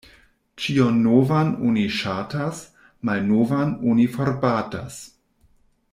Ĉion novan oni ŝatas, malnovan oni forbatas.